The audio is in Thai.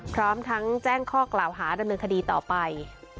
พร้อมทั้งแจ้งข้อกล่าวหาดำเนินคดีต่อไป